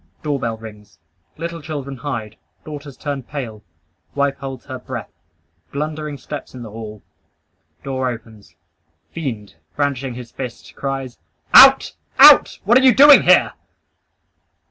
Doorbell rings. Little children hide. Daughters turn pale. Wife holds her breath. Blundering steps in the hall. Door opens. Fiend, brandishing his fist, cries "Out! Out! What are you doing here!"